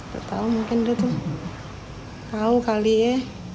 gak tau mungkin dia tuh tau kali ye